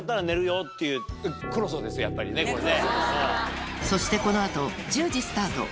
やっぱりねこれね。